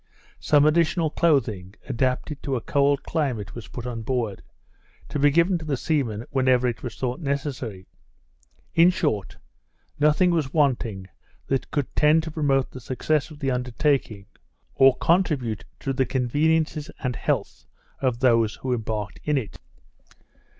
Some additional clothing, adapted to a cold climate, was put on board; to be given to the seamen whenever it was thought necessary. In short, nothing was wanting that could tend to promote the success of the undertaking, or contribute to the conveniences and health of those who embarked in it.